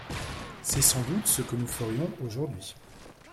C’est sans doute ce que nous ferions aujourd’hui.